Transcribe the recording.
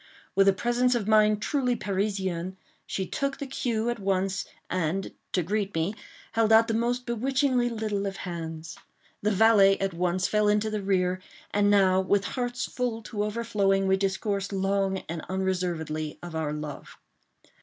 With a presence of mind truly Parisian, she took the cue at once, and, to greet me, held out the most bewitchingly little of hands. The valet at once fell into the rear, and now, with hearts full to overflowing, we discoursed long and unreservedly of our love.